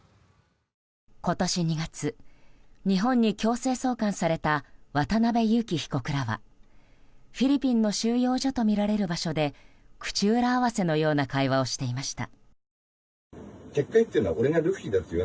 今年２月、日本に強制送還された渡邉優樹被告らはフィリピンの収容所とみられる場所で口裏合わせのような会話をしていました。